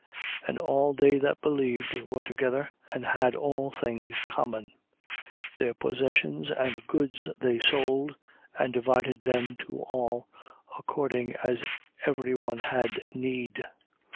2:44. And all they that believed were together and had all things common. 2:45. Their possessions and goods they sold and divided them to all, according as every one had need.